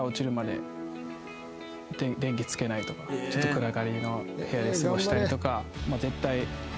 暗がりの部屋で過ごしたりとか。